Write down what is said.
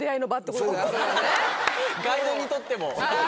ガイドにとっても。